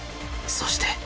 そして。